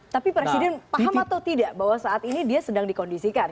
tapi presiden paham atau tidak bahwa saat ini dia sedang dikondisikan